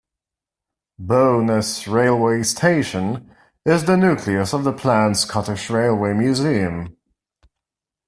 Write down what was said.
Bo'ness railway station is the nucleus of the planned Scottish Railway Museum.